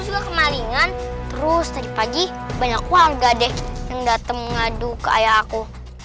sudah kemaringan terus tadi pagi banyak warga deh yang datang ngadu ke ayah aku